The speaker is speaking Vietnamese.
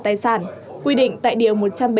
tài sản quy định tại điều một trăm bảy mươi ba